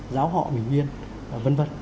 giáo họ bình yên